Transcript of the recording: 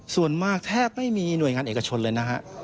ส่วนมากแทบไม่มีหน่วยงานเอกชนเลยนะฮะ